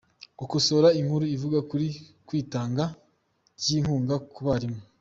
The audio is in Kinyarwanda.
Gukosora inkuru ivuga kuri kw’itanga ry’inkunga ku barimu